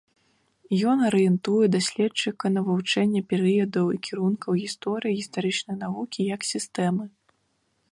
Ён арыентуе даследчыка на вывучэнне перыядаў і кірункаў гісторыі гістарычнай навукі як сістэмы.